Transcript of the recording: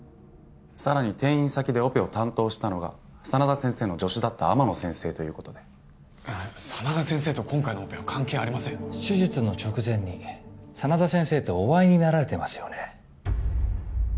さらに転院先でオペを担当したのが真田先生の助手だった天野先生ということで真田先生と今回のオペは関係ありません手術の直前に真田先生とお会いになられてますよね？